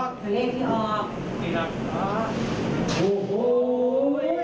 ดวงไม่สุดยอดเอ้าเอ้าเอ้า